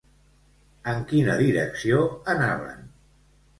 En quina direcció anaven?